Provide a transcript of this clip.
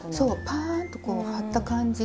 パーッとこう張った感じが。